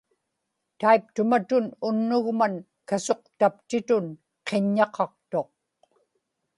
taiptumatun unnugman kasuqtaptitun qiññaqaqtuq